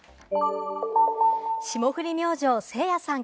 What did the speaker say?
霜降り明星・せいやさん